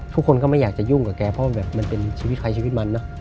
ทุกคนก็ไม่อยากจะยุ่งกับแกเพราะแบบมันเป็นชีวิตใครชีวิตมันเนอะ